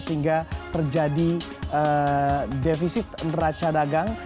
sehingga terjadi defisit neraca dagang